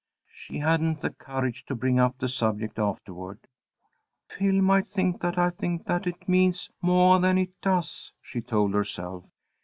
She hadn't the courage to bring up the subject afterward. "Phil might think that I think that it means moah than it does," she told herself.